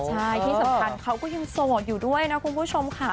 ใช่ที่สำคัญเขาก็ยังโสดอยู่ด้วยนะคุณผู้ชมค่ะ